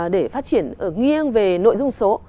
để phát triển ở nghiêng về nội dung số